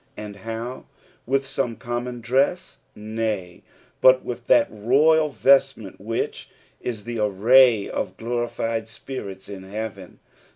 And how ! With some common dress) Nay, but with that royal vestment which is the array of glorified spirits in heaven.